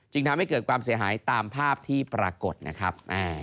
ทำให้เกิดความเสียหายตามภาพที่ปรากฏนะครับ